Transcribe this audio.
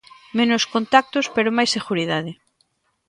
Menos contactos pero máis seguridade.